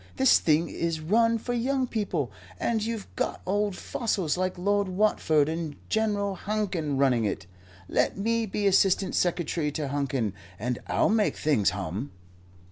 This thing is run for young people, and you've got old fossils like Lord Watford and General Hankin running it. Let me be Assistant Secretary to Hankin' and I'll make things hum."